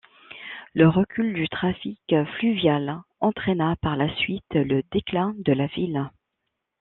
Le recul du trafic fluvial entraina par la suite le déclin de la ville.